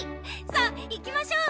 さあ行きましょう。